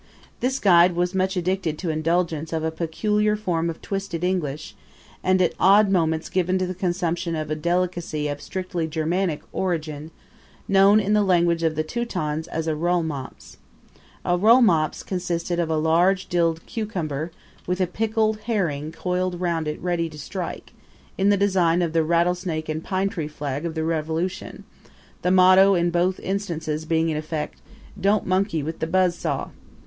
This guide was much addicted to indulgence of a peculiar form of twisted English and at odd moments given to the consumption of a delicacy of strictly Germanic origin, known in the language of the Teutons as a rollmops. A rollmops consists of a large dilled cucumber, with a pickled herring coiled round it ready to strike, in the design of the rattlesnake and pinetree flag of the Revolution, the motto in both instances being in effect: "Don't monkey with the buzz saw!"